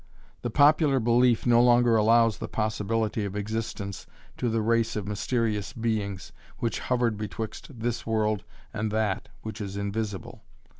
The popular belief no longer allows the possibility of existence to the race of mysterious beings which hovered betwixt this world and that which is invisible.